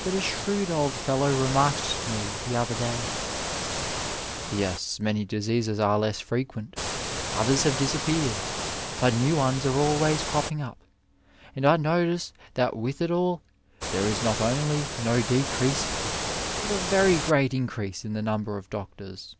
But a shrewd old fellow remarked to me the other day, '^ Yes, many diseases are less frequent, others have disap oeared, but new ones are alwskjB cropping up, and I notice 128 Digitized by VjOOQiC TEACHING AND THINKING that with it all there is not only no decrease, but a very great increase in the number of doctois."